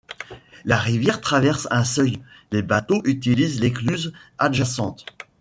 La rivière traverse un seuil, les bateaux utilisent l’écluse adjacente.